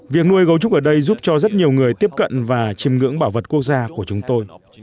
việc nuôi gấu trúc ở đây giúp cho rất nhiều người tiếp cận và chìm ngưỡng bảo vật quốc gia của chúng tôi